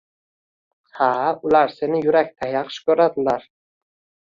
Ha, ular seni yurakdan yaxshi koʻradilar.